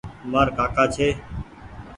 مآر ڪآڪآ ڇي۔